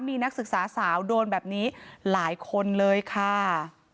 มีนักศึกษาสาวโดนแบบนี้หลายคนเลยค่ะ